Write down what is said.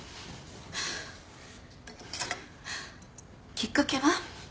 きっかけは？